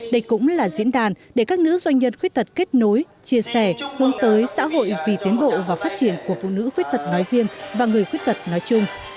đây cũng là diễn đàn để các nữ doanh nhân khuyết tật kết nối chia sẻ hướng tới xã hội vì tiến bộ và phát triển của phụ nữ khuyết tật nói riêng và người khuyết tật nói chung